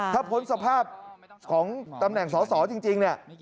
ถ้าพ้นสภาพของตำแหน่งสอสอจริงเนี่ย